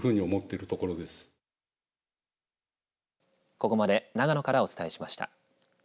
ここまで長野からお伝えしました。